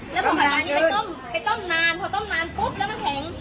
แล้วพอผัดมานี่ไปต้มไปต้มนานพอต้มนานปุ๊บแล้วมันแข็ง